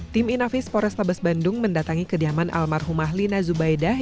tim inafis porestabes bandung mendatangi kediaman almarhumah lina zubaidah